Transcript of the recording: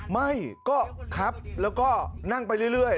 ไม่ก็ครับแล้วก็นั่งไปเรื่อย